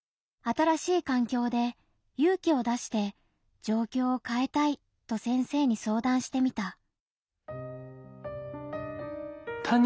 新しい環境で勇気を出して「状況を変えたい」と先生に相談してみた。